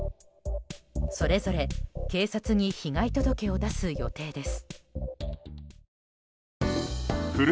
それぞれ、警察に被害届を出す予定です。